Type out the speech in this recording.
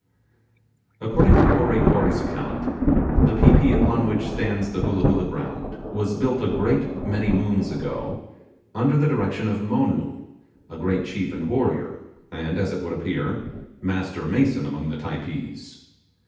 According to Kory Kory's account, the pi pi upon which stands the Hoolah Hoolah ground was built a great many moons ago, under the direction of Monoo, a great chief and warrior, and, as it would appear, master mason among the Typees.